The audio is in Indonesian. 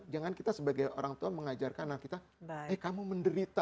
jangan kita sebagai orang tua mengajarkan anak kita eh kamu menderita